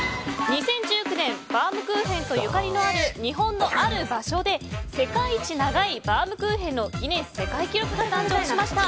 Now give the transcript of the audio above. ２０１９年、バウムクーヘンとゆかりのある日本のある場所で世界一長いバウムクーヘンのギネス世界記録が誕生しました。